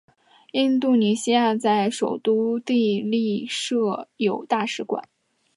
印度尼西亚在首都帝力设有大使馆。